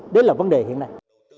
đó là vấn đề hiện nay